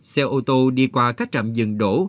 xe ô tô đi qua các trạm dừng đổ